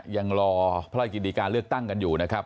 ยังรอพระราชกิจการเลือกตั้งกันอยู่นะครับ